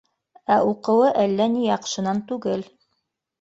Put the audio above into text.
Ә уҡыуы әллә ни яҡшынан түгел.